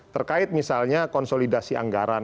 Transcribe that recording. terkait misalnya konsolidasi anggaran konsolidasi anggaran